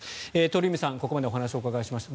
鳥海さんにここまでお話をお伺いしました。